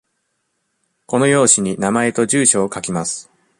この用紙に名前と住所を書きます。